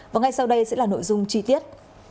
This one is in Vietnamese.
và ngay sau đây sẽ là nội dung chi tiết